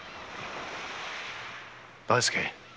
大介。